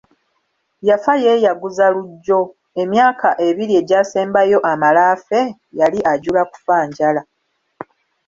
Yafa yeeyaguza lugyo, emyaka ebiri egyasembayo amale afe, yali ajula kufa njala.